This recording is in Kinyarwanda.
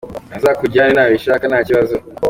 Azakujyane nabishaka ntakibazo.